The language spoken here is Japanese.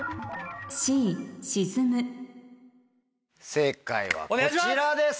正解はこちらです。